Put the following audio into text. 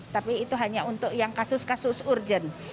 tapi itu hanya untuk yang kasus kasus urgent